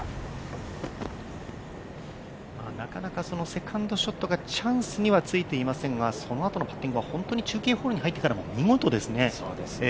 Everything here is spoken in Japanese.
セカンドショットがチャンスにはついていませんがそのあとのパッティングは本当に中継ホールに入ってからも見事ですね。